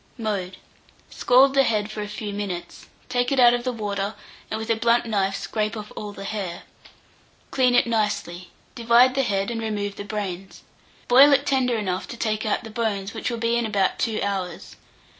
Mode. Scald the head for a few minutes; take it out of the water, and with a blunt knife scrape off all the hair. Clean it nicely, divide the head and remove the brains. Boil it tender enough to take out the bones, which will be in about 2 hours.